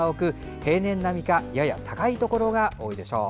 平年並みか、やや高いところがほとんどでしょう。